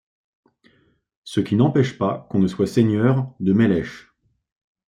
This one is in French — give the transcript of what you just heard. Ce qui n’empêche pas qu’on ne soit seigneur de Mélèches.